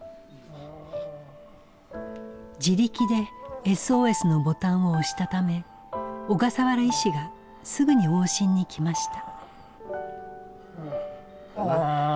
自力でＳＯＳのボタンを押したため小笠原医師がすぐに往診に来ました。